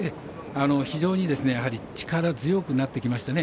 非常に力強くなってきましたね。